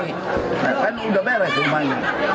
nah kan udah beres rumahnya